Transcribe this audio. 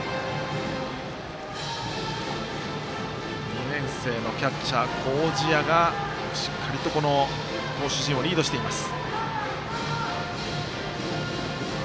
２年生のキャッチャー、麹家がしっかりと、投手陣をリードしています。